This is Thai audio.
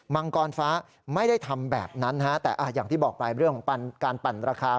มังกรฟ้าไม่ได้ทำแบบนั้นแต่อย่างที่บอกไปเรื่องของการปั่นราคา